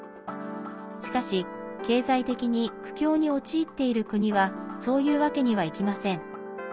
しかし、経済的に苦境に陥っている国はそういうわけにはいきません。